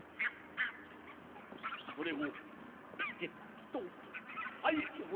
それをじっと耐えております。